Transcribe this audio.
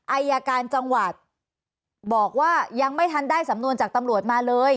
อายการจังหวัดบอกว่ายังไม่ทันได้สำนวนจากตำรวจมาเลย